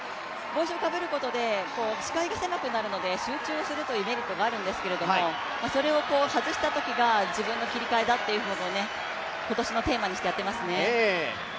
帽子をかぶることで視界が狭くなるので、集中するというメリットがあるんですけれどもそれを外したときが自分の切り替えだってことを今年のテーマにしてやってますね。